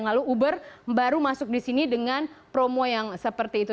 lalu uber baru masuk di sini dengan promo yang seperti itu